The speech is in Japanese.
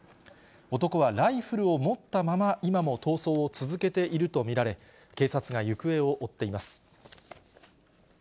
男はライフルを持ったまま、今も逃走を続けていると見られ、警察が行方を追っています。